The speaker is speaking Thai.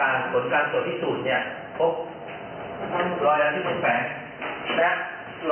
อยู่ที่สลักกินแบ่งที่ถูกประวัติที่๑ไปจริงนะครับ